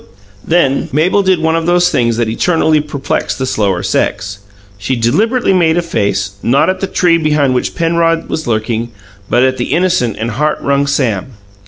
Then Mabel did one of those things that eternally perplex the slower sex. She deliberately made a face, not at the tree behind which Penrod was lurking, but at the innocent and heart wrung Sam.